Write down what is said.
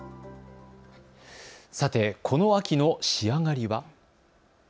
さて、この秋の仕上がりは。